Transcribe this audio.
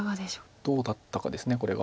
どうだったかですこれが。